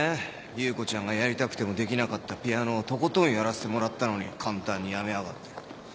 優子ちゃんがやりたくてもできなかったピアノをとことんやらせてもらったのに簡単にやめやがって。